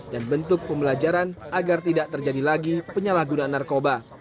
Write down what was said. dan bentuk pembelajaran agar tidak terjadi lagi penyalahgunaan narkoba